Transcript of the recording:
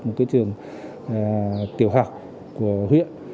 một trường tiểu học của huyện